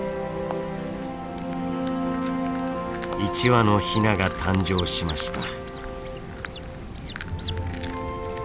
１羽のヒナが誕生しました。